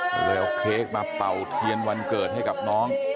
ก็เลยเอาเค้กมาเป่าเทียนวันเกิดให้กับน้อง